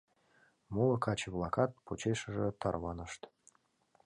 Моло каче-влакат почешыже тарванышт.